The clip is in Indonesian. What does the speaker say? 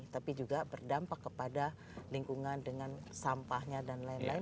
tapi juga berdampak kepada lingkungan dengan sampahnya dan lain lain